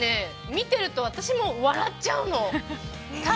◆見ていると、私も笑っちゃうの。